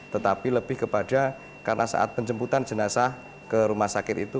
tetapi lebih kepada karena saat penjemputan jenazah ke rumah sakit itu